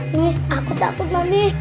ini aku takut mami